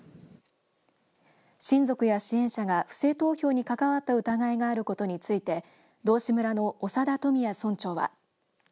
親族や支援者が不正投票に関わった疑いがあることについて道志村の長田富也村長は。